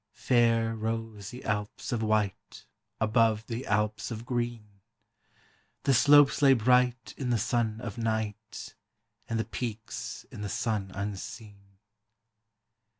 Fair rose the Alps of white Above the Alps of green ; The slopes lay bright in the sun of night, And the peaks in the sun unseen.